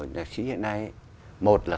nhạc sĩ hiện nay một là